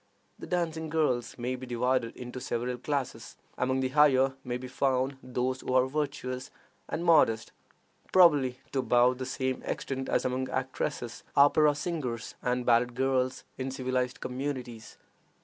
The dancing girls may be divided into several classes. Among the higher may be found those who are virtuous and modest, probably to about the same extent as among actresses, opera singers, and ballet girls in civilized communities.